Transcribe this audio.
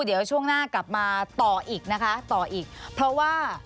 เดี๋ยวช่วงหน้ากลับมาต่ออีกนะคะต่ออีกเพราะว่า